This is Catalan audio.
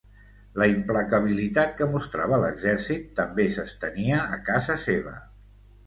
La implacabilitat que mostrava a l'exèrcit també s'estenia a casa seva.